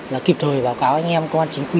là kịp thời báo cáo anh em công an chính quy